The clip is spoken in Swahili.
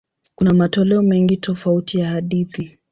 Kuna matoleo mengi tofauti ya hadithi.